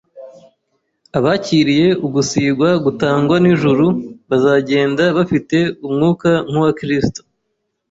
Abakiriye ugusigwa gutangwa n’ijuru bazagenda bafite Umwuka nk’uwa Kristo,